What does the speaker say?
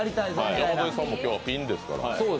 山添さんも今日はピンですから。